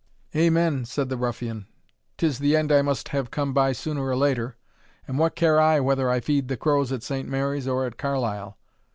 "Amen!" said the ruffian; "'tis the end I must have come by sooner or later and what care I whether I feed the crows at Saint Mary's or at Carlisle?"